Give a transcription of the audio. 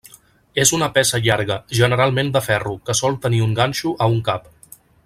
És una peça llarga, generalment de ferro, que sol tenir un ganxo a un cap.